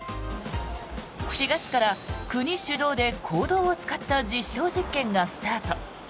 ４月から国主導で、公道を使った実証実験がスタート。